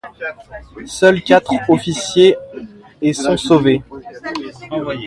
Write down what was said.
Seuls quatre officiers et sont sauvés.